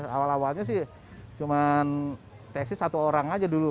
awal awalnya sih cuman tekstil satu orang aja dulu